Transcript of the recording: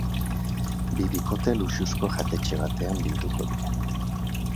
Bi bikote luxuzko jatetxe batean bilduko dira.